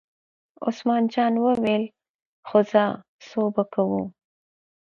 عثمان جان وویل: خو ځه څو به کوو.